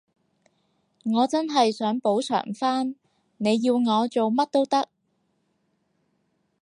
我真係想補償返，你要我做乜都得